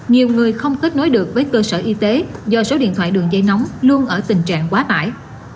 nhiều người không kết nối được với cơ sở y tế do số điện thoại đường dây nóng luôn ở tình trạng quá tải